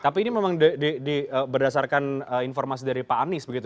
tapi ini memang berdasarkan informasi dari pak anies begitu